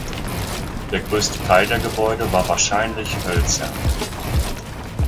Der größte Teil der Gebäude war wahrscheinlich hölzern.